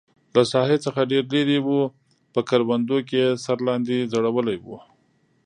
له ساحې څخه ډېر لرې و، په کروندو کې یې سر لاندې ځړولی و.